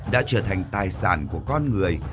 đã trở thành tài sản của con người